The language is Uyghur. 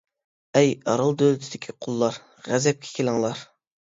ئەي ئارال دۆلىتىدىكى قۇللار، غەزەپكە كېلىڭلار!